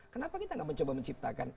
kenapa kita gak mencoba menciptakan